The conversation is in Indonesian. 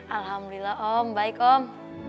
alhamdulillah om baik om